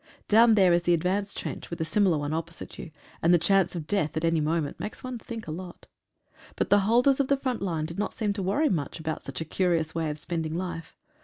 Down there is the advanced trench with a similar one opposite you, and the chance of death at any moment makes one think a lot. But the holders of the front line did not seem to worry much about such a curious way of spending life.